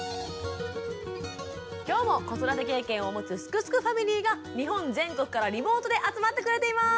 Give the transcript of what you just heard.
今日も子育て経験を持つ「すくすくファミリー」が日本全国からリモートで集まってくれています。